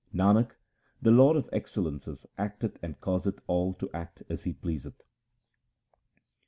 Nanak, the Lord of excellences acteth and causeth all to act as He pleaseth.